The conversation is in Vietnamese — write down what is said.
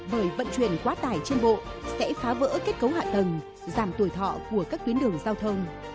bởi vận chuyển quá tải trên bộ sẽ phá vỡ kết cấu hạ tầng giảm tuổi thọ của các tuyến đường giao thông